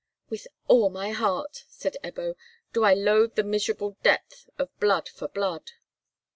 "With all my heart," said Ebbo, "do I loathe the miserable debt of blood for blood!"